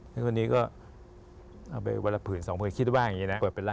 คืออันนี้ก็ออกไปวักหลักผืนส่องเสร็จเริ่มมีคิดว่า